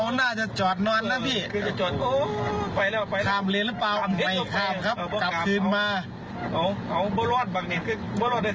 เอาบ้ารอดบ้างมีบ้ารอดโดยคะ